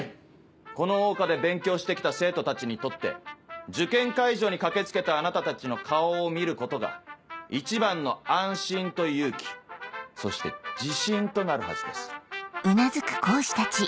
この桜花で勉強して来た生徒たちにとって受験会場に駆け付けたあなたたちの顔を見ることが一番の安心と勇気そして自信となるはずです。